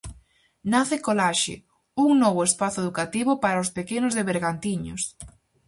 Nace Colaxe, un novo espazo educativo para os pequenos de Bergantiños.